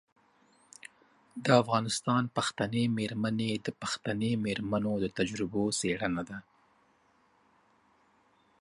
د افغانستان پښتنې میرمنې د پښتنې میرمنو د تجربو څیړنه ده.